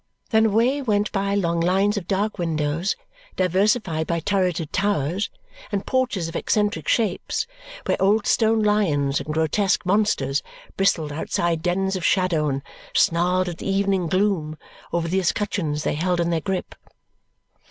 Then the way went by long lines of dark windows diversified by turreted towers and porches of eccentric shapes, where old stone lions and grotesque monsters bristled outside dens of shadow and snarled at the evening gloom over the escutcheons they held in their grip.